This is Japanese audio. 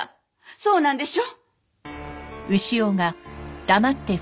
そうなんでしょ？